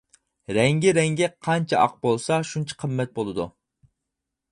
رەڭگى رەڭگى قانچە ئاق بولسا، شۇنچە قىممەت بولىدۇ.